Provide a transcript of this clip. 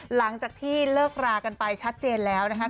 หลังจากที่เลิกรากันไปชัดเจนแล้วนะครับ